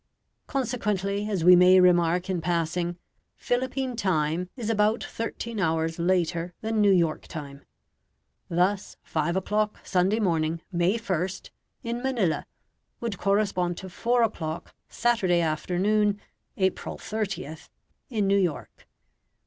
Consequently, as we may remark in passing, Philippine time is about thirteen hours later than New York time. Thus, five o'clock, Sunday morning, May 1st, in Manila, would correspond to four o'clock, Saturday afternoon, April 30th, in New York.